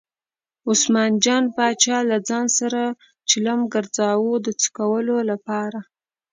عثمان جان پاچا له ځان سره چلم ګرځاوه د څکلو لپاره.